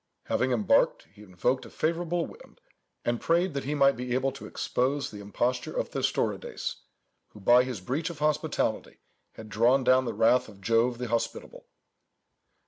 Having embarked, he invoked a favourable wind, and prayed that he might be able to expose the imposture of Thestorides, who, by his breach of hospitality, had drawn down the wrath of Jove the Hospitable.